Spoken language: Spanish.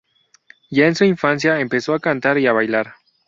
Ya en su infancia empezó a cantar y a bailar.